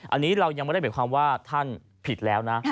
อันนี้เรายังไม่ได้หมายความว่าท่านผิดแล้วนะ